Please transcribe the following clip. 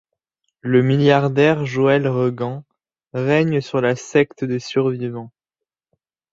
Le milliardaire Joel Regan règne sur la secte des survivants.